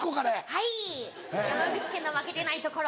はい山口県の負けてないところ。